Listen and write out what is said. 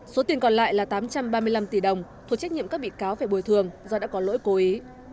số tiền còn lại là tám trăm ba mươi năm tỷ đồng thuộc trách nhiệm các bị cáo phải bồi thường do đã có lỗi cố ý